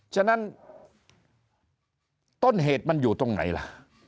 ฉะนั้นต้นเหตุมันอยู่ตรงไหนล่ะ